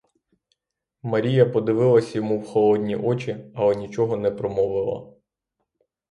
Марія подивилась йому в холодні очі, але нічого не промовила.